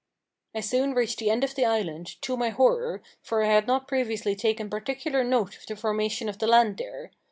I soon reached the end of the island, to my horror, for I had not previously taken particular note of the formation of the land there.